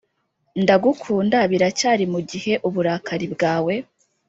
ndagukunda biracyari mugihe uburakari bwawe